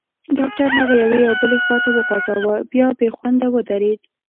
ډاکټر هغه یوې او بلې خواته وخوځاوه، بیا بېخونده ودرېد.